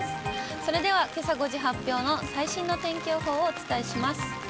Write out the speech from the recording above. それでは、けさ５時発表の最新の天気予報をお伝えします。